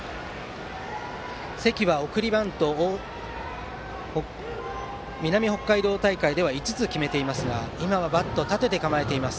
関は送りバントを南北海道大会で５つ決めていますが今はバットを立てて構えています。